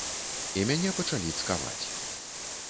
І мяне пачалі цкаваць.